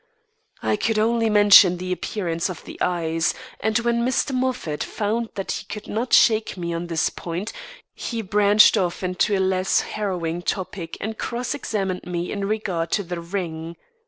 I could only mention the appearance of the eyes; and when Mr. Moffat found that he could not shake me on this point, he branched off into a less harrowing topic and cross examined me in regard to the ring.